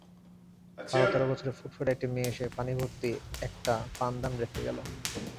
বার-তের বছরের ফুটফুটে একটি মেয়ে এসে পানিভর্তি একটা পানদান রেখে গেল।